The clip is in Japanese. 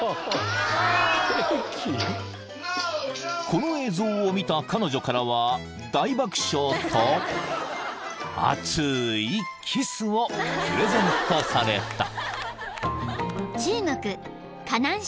［この映像を見た彼女からは大爆笑と熱いキスをプレゼントされた］